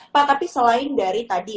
pak tapi selain dari tadi